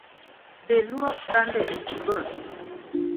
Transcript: Dhi luok sande e jikon